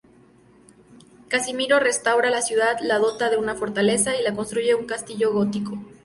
Casimiro restaura la ciudad, la dota de una fortaleza y construye un castillo gótico.